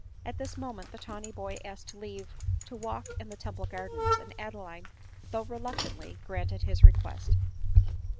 At this moment the tawny boy asked leave to walk in the Temple gardens ; and Adeline, though reluctantly, grant ed his request.